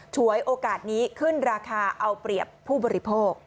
ฉวยโอกาสนี้ขึ้นราคาเอาเปรียบผู้บริโภค